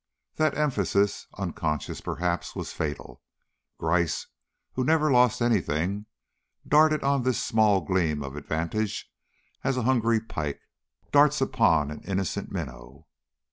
That emphasis, unconscious, perhaps, was fatal. Gryce, who never lost any thing, darted on this small gleam of advantage as a hungry pike darts upon an innocent minnow.